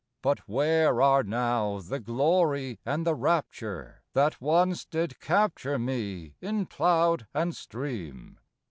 But where are now the glory and the rapture, That once did capture me in cloud and stream?